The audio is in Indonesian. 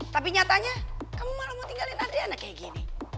tapi nyatanya kamu malah mau tinggalin adriana kayak gini